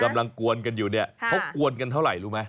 กวนกันอยู่เนี่ยเขากวนกันเท่าไหร่รู้ไหม